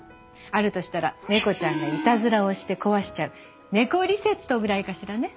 あるとしたら猫ちゃんがいたずらをして壊しちゃうネコリセットぐらいかしらね。